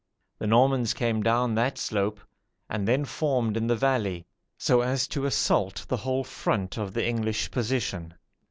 The Normans came down that slope, and then formed in the valley, so as to assault the whole front of the English position.